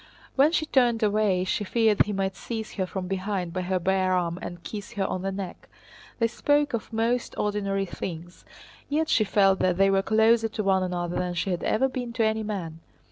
When she turned away she feared he might seize her from behind by her bare arm and kiss her on the neck. They spoke of most ordinary things, yet she felt that they were closer to one another than she had ever been to any man.